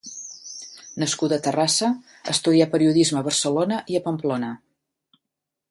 Nascuda a Terrassa, estudià periodisme a Barcelona i a Pamplona.